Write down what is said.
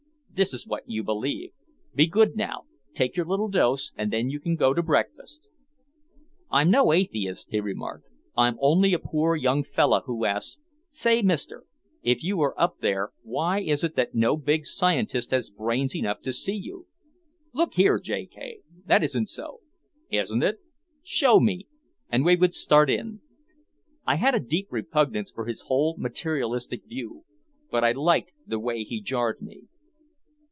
This is what you believe. Be good now, take your little dose and then you can go to breakfast.'" "I'm no atheist," he remarked. "I'm only a poor young fellah who asks, 'Say, Mister, if you are up there why is it that no big scientist has brains enough to see you?'" "Look here, J. K., that isn't so!" "Isn't it? Show me!" And we would start in. I had a deep repugnance for his whole materialistic view. But I liked the way he jarred me.